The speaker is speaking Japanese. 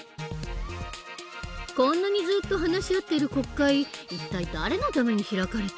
こんなにずっと話し合っている国会一体誰のために開かれてるの？